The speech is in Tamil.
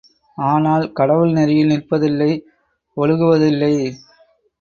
ஆனால், கடவுள் நெறியில் நிற்பதில்லை ஒழுகுவதில்லை.